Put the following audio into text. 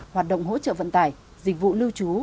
hoạt động hỗ trợ vận tải dịch vụ lưu trú